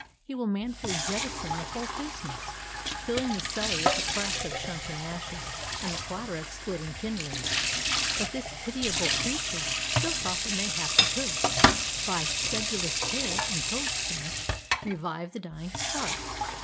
He will manfully jettison the whole business, filling the cellar with the crash of shunting ashes and the clatter of splitting kindling. But this pitiable creature still thought that mayhap he could, by sedulous care and coaxing, revive the dying spark.